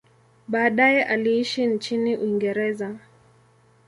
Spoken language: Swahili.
Baadaye aliishi nchini Uingereza.